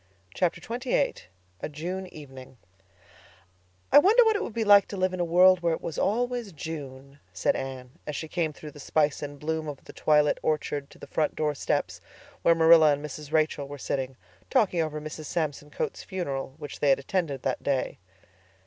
Chapter XXVIII A June Evening "I wonder what it would be like to live in a world where it was always June," said Anne, as she came through the spice and bloom of the twilit orchard to the front door steps, where Marilla and Mrs. Rachel were sitting, talking over Mrs. Samson Coates' funeral, which they had attended that day.